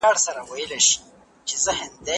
زه به سبا سينه سپين کړم.